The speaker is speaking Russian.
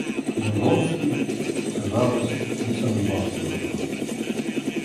Но Вронский, казалось, не сомневался в этом.